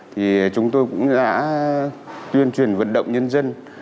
thì chúng tôi cũng đã tuyên truyền vận động nhân dân